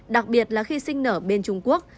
đặc biệt là khi sinh nở bên trung quốc